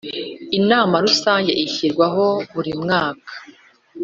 Inama rusange ishyirwaho buri mwaka.